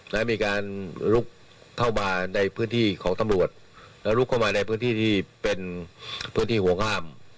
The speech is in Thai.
และมีการลุกเข้ามาในพื้นที่ของตำรวจแล้วลุกเข้ามาในพื้นที่ที่เป็นพื้นที่ห่วงห้าม